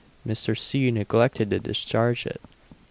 _, Mr. C. neglected to discharge it.